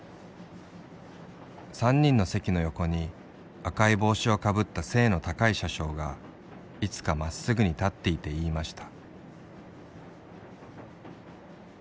三人の席の横に赤い帽子をかぶったせいの高い車掌がいつかまっすぐに立ってゐて云ひました」。